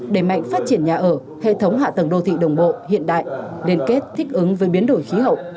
đẩy mạnh phát triển nhà ở hệ thống hạ tầng đô thị đồng bộ hiện đại liên kết thích ứng với biến đổi khí hậu